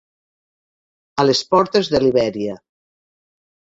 A les portes de Libèria.